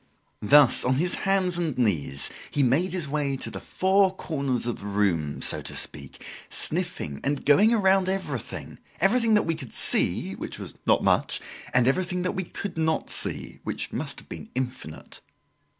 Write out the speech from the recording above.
Thus, on his hands and knees, he made his way to the four corners of the room, so to speak, sniffing and going round everything everything that we could see, which was not much, and everything that we could not see, which must have been infinite.